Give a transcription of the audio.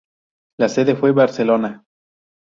La sede fue Barcelona.